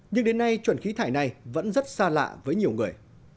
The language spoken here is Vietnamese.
nhưng đến nay chuẩn khí thải này vẫn rất xa lạ với nhiều người